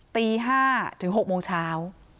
ตี๕ถึง๖โมงเช้า